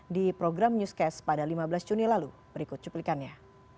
di program newscast pada lima belas juni lalu berikut cuplikannya